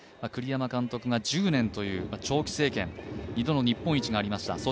栗山監督が１０年という長期政権、２度の日本一がありました。